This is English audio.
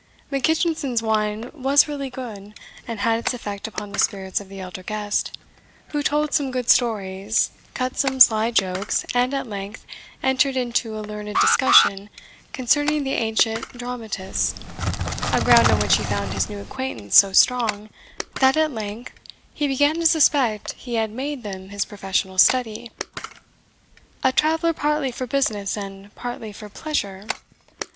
Mackitchinson's wine was really good, and had its effect upon the spirits of the elder guest, who told some good stories, cut some sly jokes, and at length entered into a learned discussion concerning the ancient dramatists; a ground on which he found his new acquaintance so strong, that at length he began to suspect he had made them his professional study. "A traveller partly for business and partly for pleasure?